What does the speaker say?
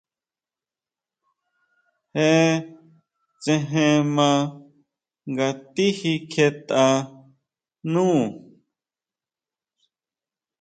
Je tséjen maa nga tijikjietʼa nú.